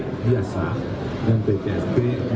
tadi sudah saya sampaikan ke penelitian